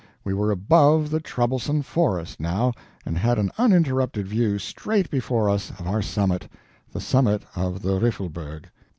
We were above the troublesome forest, now, and had an uninterrupted view, straight before us, of our summit the summit of the Riffelberg.